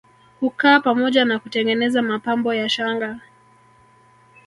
Hukaa pamoja na kutengeneza mapambo ya shanga